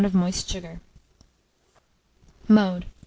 of moist sugar. Mode.